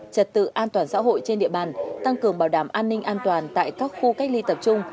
trật tự an toàn xã hội trên địa bàn tăng cường bảo đảm an ninh an toàn tại các khu cách ly tập trung